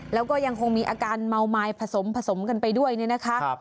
แล้วก็ยังคงมีอาการเมาไม้ผสมผสมกันไปด้วยเนี่ยนะคะ